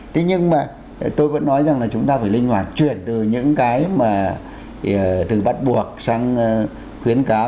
thế nhưng mà tôi vẫn nói rằng là chúng ta phải linh hoạt chuyển từ những cái mà từ bắt buộc sang khuyến cáo